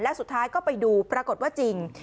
และสุดท้ายก็ไปดูปรากฏว่าจริง